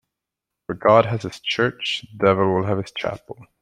Where God has his church, the devil will have his chapel.